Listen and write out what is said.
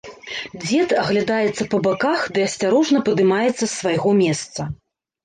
Дзед аглядаецца па баках ды асцярожна падымаецца з свайго месца.